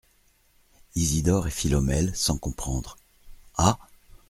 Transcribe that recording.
Isidore et Philomèle, sans comprendre. — Ah ?